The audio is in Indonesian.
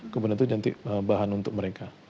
kemudian itu nanti bahan untuk mereka